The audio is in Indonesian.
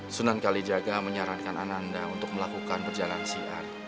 sunan kalijaga menyarankan ananda untuk melakukan perjalanan syiar